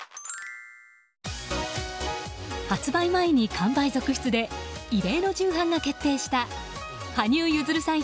発売前に完売続出で異例の重版が決定した羽生結弦さん